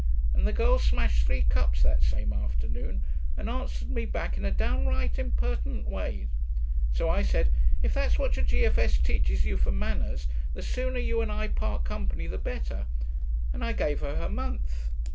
And the girl smashed three cups that same afternoon, and answered me back in a downright impertinent way. So I said, 'If that's what your G.F.S. teaches you for manners, the sooner you and I part company the better,' and I gave her her month.'